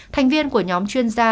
thành viên của nhóm chuyên gia